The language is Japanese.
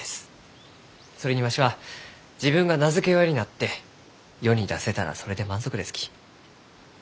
それにわしは自分が名付け親になって世に出せたらそれで満足ですき。